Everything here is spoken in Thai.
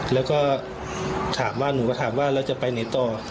แล้วก็ถามว่าหนูก็ถามว่าแล้วจะไปไหนต่อ